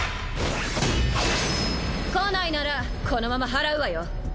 来ないならこのまま祓うわよ。